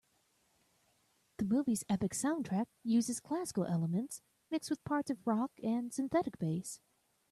The movie's epic soundtrack uses classical elements mixed with parts of rock and synthetic bass.